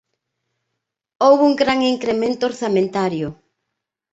Houbo un gran incremento orzamentario.